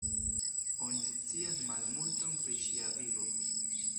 Oni scias malmulton pri ŝia vivo.